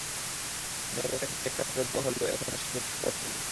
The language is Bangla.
মেয়রের কাছে চেকটা ফেরত দেওয়া হলেও এখনো সেটি তাঁরা হাতে পাননি।